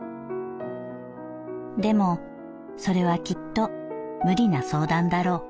「でもそれはきっと無理な相談だろう。